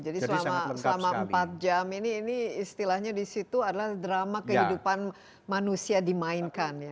jadi selama empat jam ini istilahnya disitu adalah drama kehidupan manusia dimainkan